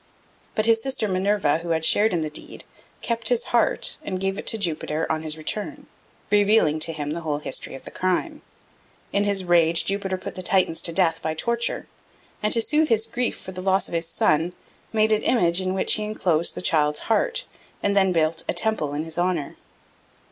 But his sister Minerva, who had shared in the deed, kept his heart and gave it to Jupiter on his return, revealing to him the whole history of the crime. In his rage, Jupiter put the Titans to death by torture, and, to soothe his grief for the loss of his son, made an image in which he enclosed the child's heart, and then built a temple in his honour.